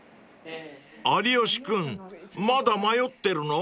［有吉君まだ迷ってるの？］